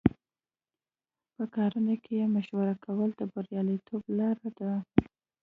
په کارونو کې مشوره کول د بریالیتوب لاره ده.